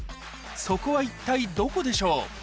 そこは一体どこでしょう？